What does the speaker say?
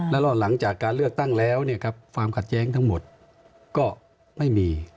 แล้วก็หลังจากการเลือกตั้งแล้วความขัดแย้งทั้งหมดก็ไม่มี